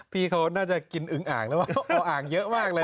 พี่เขาน่าจะกินอึ้งอากออกอากเยอะมากเลย